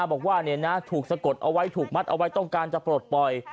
บอกว่าถูกสะกดเอาไว้ถูกมัดเอาไว้ต้องการจะปลดปล่อย